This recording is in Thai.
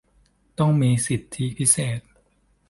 ต้องมีสิทธิพิเศษ